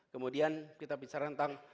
kemudian kita bicara tentang